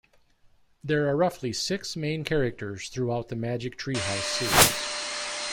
There are roughly six main characters throughout the Magic Tree House series.